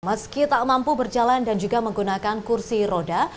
meski tak mampu berjalan dan juga menggunakan kursi roda